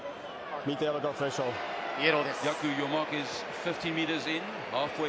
イエローです。